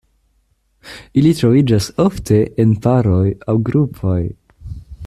Ili troviĝas ofte en paroj aŭ grupoj.